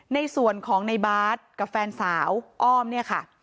ในส่วนของในบาร์ดกับแฟนสาวอ้อมเนี่ยค่ะ